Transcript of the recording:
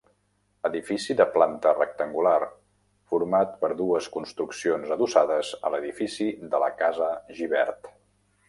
Edifici de planta rectangular, format per dues construccions adossades a l'edifici de la casa Gibert.